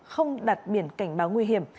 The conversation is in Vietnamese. không đặt biển cảnh báo nguy hiểm